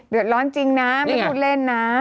เดือดร้อนจริงนะไม่พูดเล่นนะ